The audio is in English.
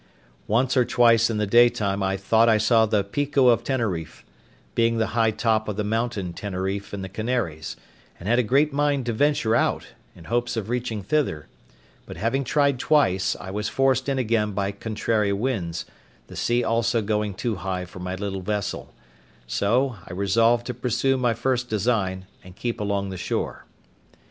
Once or twice in the daytime I thought I saw the Pico of Teneriffe, being the high top of the Mountain Teneriffe in the Canaries, and had a great mind to venture out, in hopes of reaching thither; but having tried twice, I was forced in again by contrary winds, the sea also going too high for my little vessel; so, I resolved to pursue my first design, and keep along the shore.